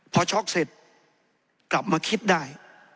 พอช็อกเสร็จกลับมาคิดได้